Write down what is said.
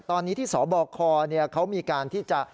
ตอนนี้ที่สบคเขามีการที่จะ